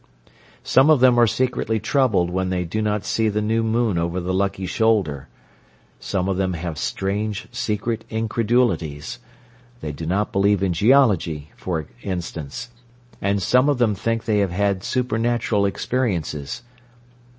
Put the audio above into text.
Some of them are secretly troubled when they do not see the new moon over the lucky shoulder; some of them have strange, secret incredulities—they do not believe in geology, for instance; and some of them think they have had supernatural experiences.